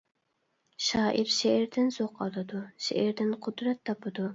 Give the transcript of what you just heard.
شائىر شېئىردىن زوق ئالىدۇ، شېئىردىن قۇدرەت تاپىدۇ.